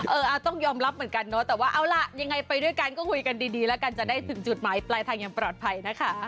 เอาล่ะยังไงไปด้วยกันก็คุยกันดีแล้วกันจะได้ถึงจุดหมายปลายทางยังปลอดภัยนะคะ